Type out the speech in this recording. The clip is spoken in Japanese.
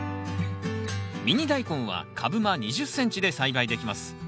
ミニダイコンは株間２０ｃｍで栽培できます。